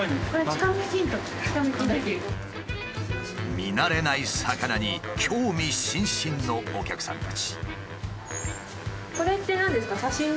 見慣れない魚に興味津々のお客さんたち。